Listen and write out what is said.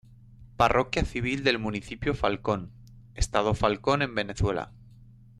Parroquia civil del municipio Falcón, estado Falcón en Venezuela.